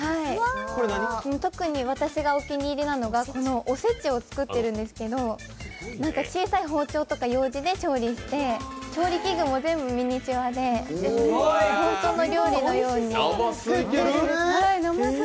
特に私がお気に入りなのが、おせちを作ってるんですけど小さい包丁とか、ようじで調理して調理器具も全部ミニチュアで本当の料理のように。